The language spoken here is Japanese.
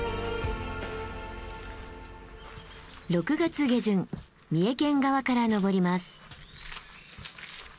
６月下旬三重県側から登ります。